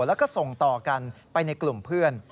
แล้วก็ส่งต่อกันไปในกลุ่มเพื่อน